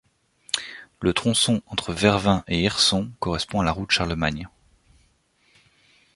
Le tronçon entre Vervins et Hirson correspond à la route Charlemagne.